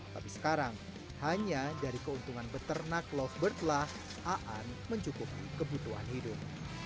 tapi sekarang hanya dari keuntungan beternak lovebird lah aan mencukupi kebutuhan hidup